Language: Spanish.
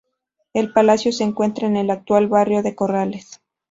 El palacio se encuentra en el actual barrio de Corrales.